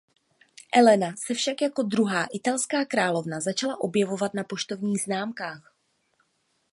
Elena se však jako druhá italská královna začala objevovat na poštovních známkách.